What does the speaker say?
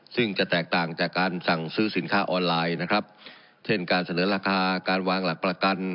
ซึ่งจะแตกต่างจากการสั่งซื้อสินค้าออนไลน์นะครับเช่นการเสนอราคาการวางหลักประกัน